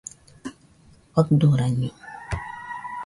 Faɨdoraño